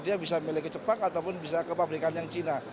dia bisa miliki jepang ataupun bisa ke pabrikan yang cina